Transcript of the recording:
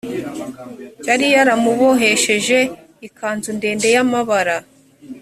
yari yaramuboheshereje ikanzu ndende y amabara